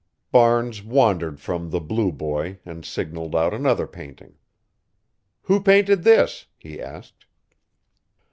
Barnes wandered from "The Blue Boy" and signalled out another painting. "Who painted this?" he asked.